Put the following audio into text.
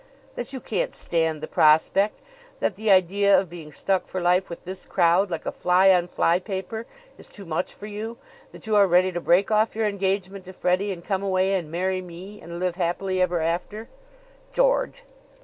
"That you can't stand the prospect; that the idea of being stuck for life with this crowd, like a fly on fly paper, is too much for you; that you are ready to break off your engagement to Freddie and come away and marry me and live happily ever after." "George!"